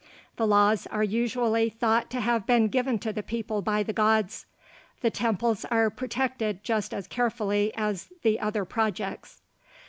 The laws are usually thought to have been given to the people by the gods. The temples are protected just as carefully as the other projects.